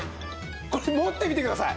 これ持ってみてください。